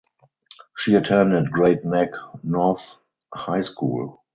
She attended Great Neck North High School.